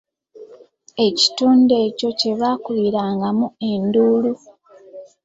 Ekitundu ekyo kye b'akubirangamu enduulu.